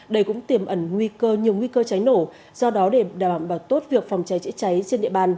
đây cũng tiềm ẩn nhiều nguy cơ cháy nổ do đó để đảm bảo tốt việc phòng cháy chế cháy trên địa bàn